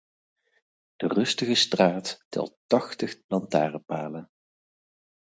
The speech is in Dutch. De rustige straat telt tachtig lantaarnpalen.